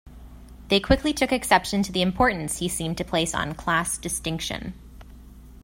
They quickly took exception to the importance he seemed to place on class distinction.